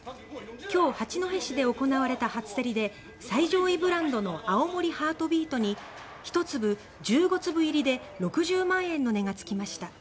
今日、八戸市で行われた初競りで最上位ブランドの青森ハートビートに１箱１５粒入りで６０万円の値がつきました。